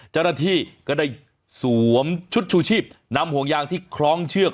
เจ้าหน้าที่ก็ได้สวมชุดชูชีพนำห่วงยางที่คล้องเชือก